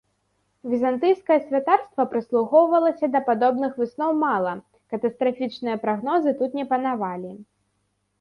Візантыйскае святарства прыслухоўвалася да падобных высноў мала, катастрафічныя прагнозы тут не панавалі.